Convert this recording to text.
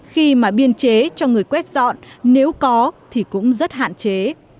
khi mà biên chế cho người quét dọn nếu có thì cũng rất hạn chế